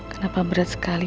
kenapa berat sekali